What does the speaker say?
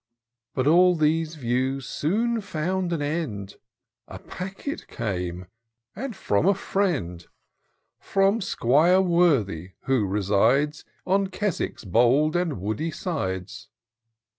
But all these views soon found an end: A packet came, and from a friend, 356 TOUR OF DOCTOR SYNTAX From 'Squire Worthy, who resides On Keswick's bold and woody sides.